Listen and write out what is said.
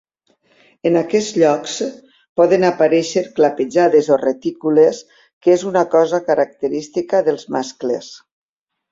En aquests llocs poden aparèixer clapejades o retícules, que és una cosa característica dels mascles.